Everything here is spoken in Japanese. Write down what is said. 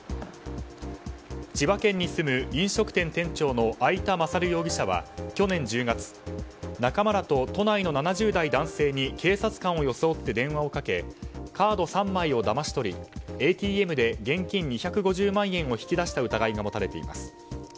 千葉県に住む飲食店店長の会田勝容疑者は去年１０月仲間らと都内の７０代男性に警察官を装って電話をかけカード３枚をだまし取りＡＴＭで現金２５０万円を引き出した疑いが持たれています。